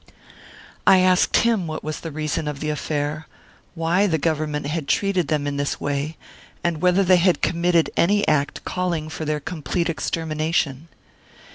I asked him what was the reason of the affair, why the Government had treated them in this way, and whether they had committed any act calling for their complete extermination.